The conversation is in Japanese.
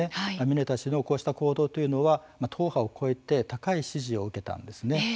ミネタ氏のこうした行動というのは、党派を超えて高い支持を受けたんですね。